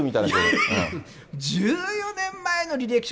１４年前の履歴書。